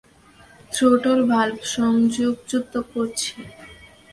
Throttle valve সংযোগচ্যূত করছি।